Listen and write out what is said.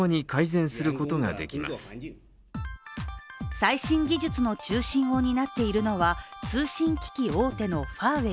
最新技術の中心を担っているのは通信機器大手のファーウェイ。